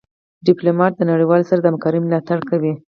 ډيپلومات د نړېوالو سره د همکارۍ ملاتړ کوي.